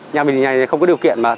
nhà mình thì không có điều kiện mà